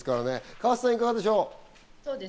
河瀬さんいかがでしょう。